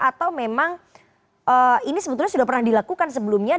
atau memang ini sebetulnya sudah pernah dilakukan sebelumnya